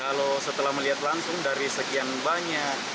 kalau setelah melihat langsung dari sekian banyak